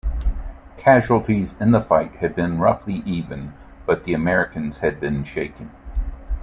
Casualties in the fight had been roughly even, but the Americans had been shaken.